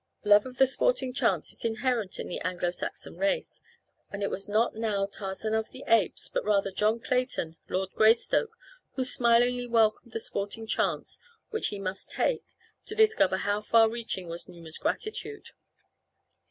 Love of the sporting chance is inherent in the Anglo Saxon race and it was not now Tarzan of the Apes but rather John Clayton, Lord Greystoke, who smilingly welcomed the sporting chance which he must take to discover how far reaching was Numa's gratitude.